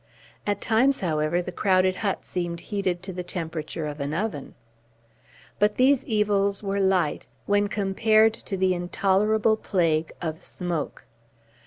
At times, however, the crowded hut seemed heated to the temperature of an oven. But these evils were light, when compared to the intolerable plague of smoke.